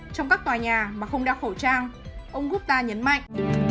trong các tòa nhà mà không đeo khẩu trang ông gutta nhấn mạnh